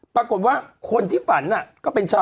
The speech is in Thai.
ปรากฏว่าคนที่ฝันน่ะ